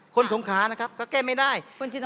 คนสงขาก็แก้ไม่ได้